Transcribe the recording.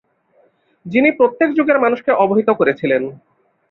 যিনি প্রত্যেক যুগের মানুষকে অবহিত করেছিলেন।